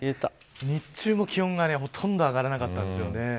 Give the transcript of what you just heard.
日中も気温がほとんど上がらなかったんですよね。